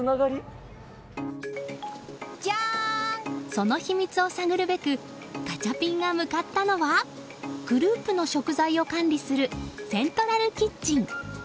その秘密を探るべくガチャピンが向かったのはグループの食材を管理するセントラルキッチン。